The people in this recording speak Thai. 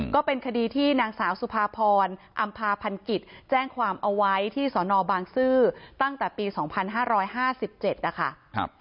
ก็เป็นคดีที่นางสาวสุภาพรอำภาพันกิจแจ้งความเอาไว้ที่สนบางซื่อตั้งแต่ปี๒๕๕๗นะคะ